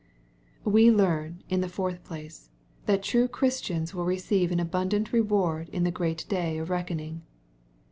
We learn, in the fourth place, Omt true Christians will receive an abundant reward in the great day of reckoning.